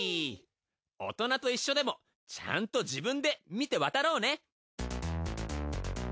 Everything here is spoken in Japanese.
大人と一緒でもちゃんと自分で見て渡ろうね！